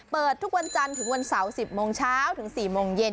เปิดทุกวันจันทร์ถึงวันเสาร์๑๐โมงเช้าถึง๔โมงเย็น